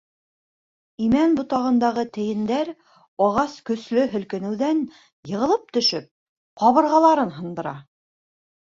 Имән ботағындағы тейендәр, ағас көслө һелкенеүҙән йығылып төшөп, ҡабырғаларын һындыра.